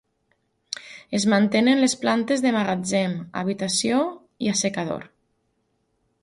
Es mantenen les plantes de magatzem, habitació i assecador.